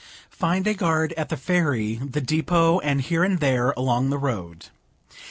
Find a guard at the ferry, the depot, and here and there, along the road.